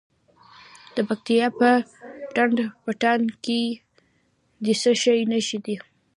د پکتیا په ډنډ پټان کې د څه شي نښې دي؟